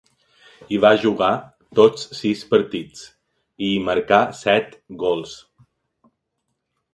Hi va jugar tots sis partits, i hi marcà set gols.